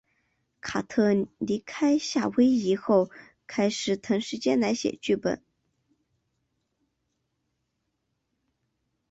卡特离开夏威夷后开始腾时间来写剧本。